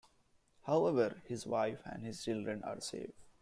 However, his wife and his children are safe.